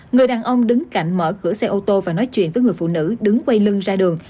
người đàn ông đứng cạnh mở cửa xe ô tô và nói chuyện với người phụ nữ đứng quay lưng ra đường